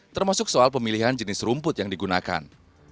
termasuk soal pemilihan jenis rumput yang digunakan